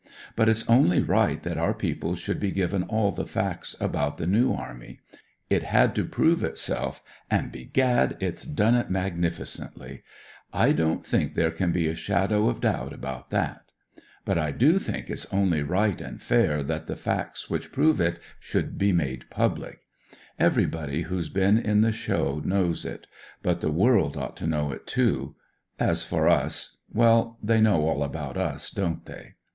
But it's only right that our people should be given all the facts ut the New Army. It had to prove itself; and, begad, it's done it magnificently. I don't think there can be a shadow of doubt about that. But I do think it's only right and fair that the h2 I f h 104 '* WE DONT COUNT WOUNDS " facts which prove it should be made public. Everybody who*s been in the show knows it; but the world ought to know it, too. As for us — ^well, they know all about us, don't they?